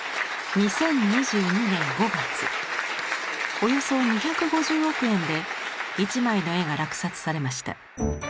２０２２年５月およそ２５０億円で一枚の絵が落札されました。